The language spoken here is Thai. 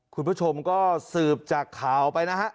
คุณผู้ชมก็สืบจากข่าวไปนะฮะ